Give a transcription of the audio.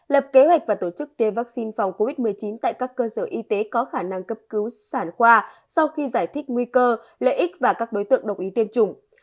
lập kế hoạch và tổ chức tiêm vaccine phòng covid một mươi chín tại các cơ sở y tế có khả năng cấp cứu sản khoa sau khi giải thích nguy cơ lợi ích và các đối tượng đồng ý tiêm chủng